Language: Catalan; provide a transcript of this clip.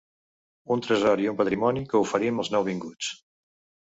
Un tresor i un patrimoni que oferim als nouvinguts.